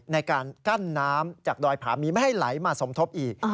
ในการกั้นน้ำจากดอยผามีไม่ให้ไหลมาสมทบอีก